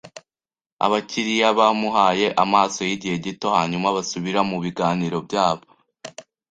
Abakiriya bamuhaye amaso yigihe gito, hanyuma basubira mubiganiro byabo.